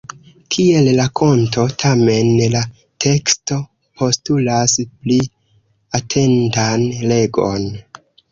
Kiel rakonto, tamen, la teksto postulas pli atentan legon.